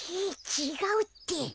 ちがうって。